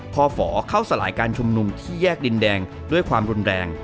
พอฝเข้าสลายการชุมนุมที่แยกดินแดงด้วยความรุนแรง